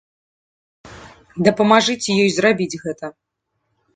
Дапамажыце ёй зрабіць гэта!